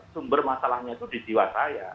sumber masalahnya itu di jiwasraya